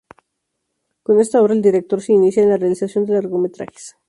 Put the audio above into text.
Con esta obra, el director se inicia en la realización de largometrajes.